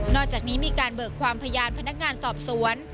อกจากนี้มีการเบิกความพยานพนักงานสอบสวน